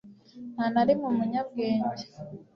nta na rimwe umunyabwenge